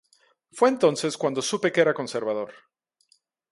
Fue entonces cuando supe que era conservador.